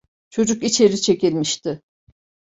Çocuk içeri çekilmişti.